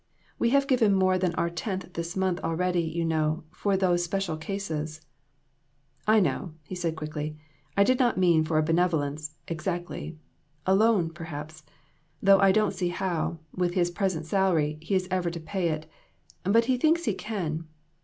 "We have given more than our tenth this month already, you know, for those special cases." "I know," he said, quickly; "I did not mean for a benevolence, exactly a loan, perhaps; though I don't see how, with his present salary, he is ever to pay it, but he thinks he can.